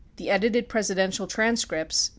95 The edited Presi dential transcripts (pp.